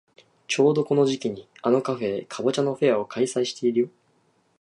ちょうどこの時期にあのカフェでかぼちゃのフェアを開催してるよ。